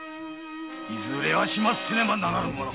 いずれは始末せねばならぬ者。